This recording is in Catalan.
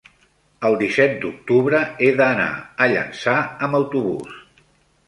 el disset d'octubre he d'anar a Llançà amb autobús.